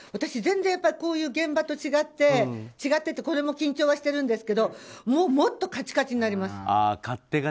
全然こういう現場と違ってこれも緊張はしてるんですけどもうもっとカチカチになります。